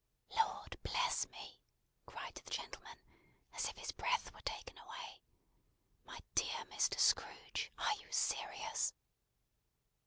"Lord bless me!" cried the gentleman, as if his breath were taken away. "My dear Mr. Scrooge, are you serious?"